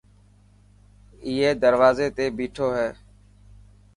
اي دروازي تي ٻيٺو هي.